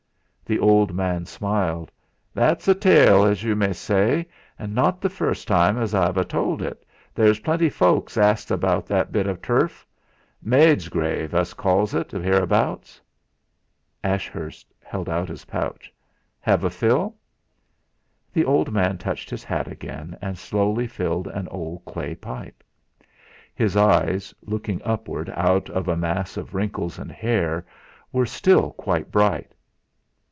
The old man smiled. "That's a tale, as yu may say. An' not the first time as I've a told et there's plenty folks asks 'bout that bit o' turf. 'Maid's Grave' us calls et, 'ereabouts." Ashurst held out his pouch. "Have a fill?" The old man touched his hat again, and slowly filled an old clay pipe. His eyes, looking upward out of a mass of wrinkles and hair, were still quite bright.